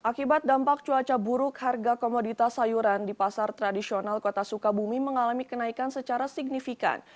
akibat dampak cuaca buruk harga komoditas sayuran di pasar tradisional kota sukabumi mengalami kenaikan secara signifikan